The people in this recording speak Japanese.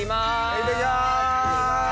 いってきます！